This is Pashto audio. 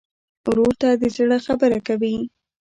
ورور ته د زړه خبره کوې.